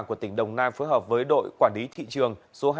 của tỉnh đồng nai phối hợp với đội quản lý thị trường số hai